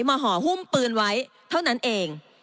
ห่อหุ้มปืนไว้เท่านั้นเอง